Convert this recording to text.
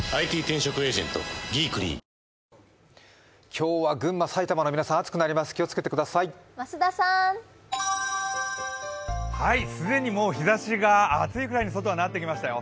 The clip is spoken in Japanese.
今日は群馬、埼玉の皆さん暑くなります、気をつけてください既に暑いくらいの日ざしになってきましたよ。